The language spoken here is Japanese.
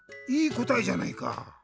いいこたえじゃないか。